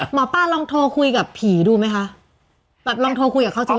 หมอปลาลองโทรคุยกับผีดูไหมคะแบบลองโทรคุยกับเขาจริง